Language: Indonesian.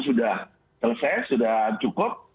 sudah selesai sudah cukup